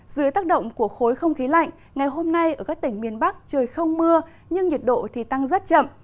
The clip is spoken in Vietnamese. dưới tác động của khối không khí lạnh ngày hôm nay ở các tỉnh miền bắc trời không mưa nhưng nhiệt độ thì tăng rất chậm